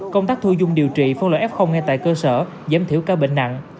công tác thu dung điều trị phân loại f ngay tại cơ sở giảm thiểu ca bệnh nặng